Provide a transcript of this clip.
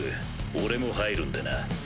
俺も入るんでな。